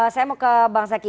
saya mau ke bang zaky